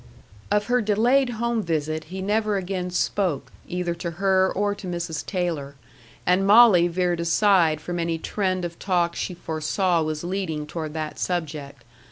Of her delayed home visit he never again spoke, either to her or to Mrs. Taylor; and Molly veered aside from any trend of talk she foresaw was leading toward that subject.